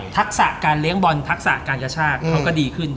ทักษะการเลี้ยงบอลทักษะการกระชากเขาก็ดีขึ้น